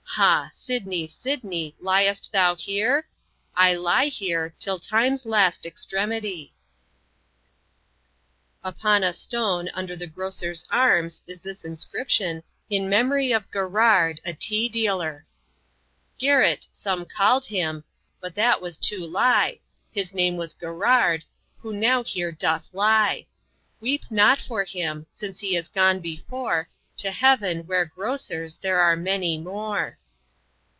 Ha! Sidney, Sidney Liest thou here? I lye here Till Times last Extremity." Upon a stone, under the Grocers' Arms, is this inscription, in memory of Garrard, a tea dealer: "Garret some called him But that was too lye His name is Garrard Who now here doth lye Weepe not for him Since he is gone before To heaven where Grocers There are many more."